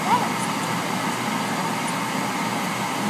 ჟაროვი საბჭოთა კინოს გამოჩენილი მსახიობია.